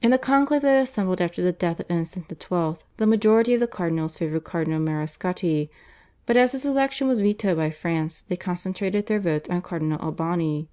In the conclave that assembled after the death of Innocent XII. the majority of the cardinals favoured Cardinal Mariscotti, but, as his election was vetoed by France, they concentrated their votes on Cardinal Albani.